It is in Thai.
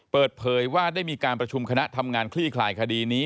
เปิดเผยว่าได้มีการประชุมคณะทำงานคลี่คลายคดีนี้